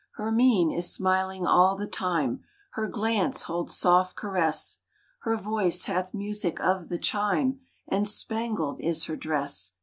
Her mien is smiling all the time ; Her glance holds soft caress ; Her voice hath music of the chime, And spangled is her dress.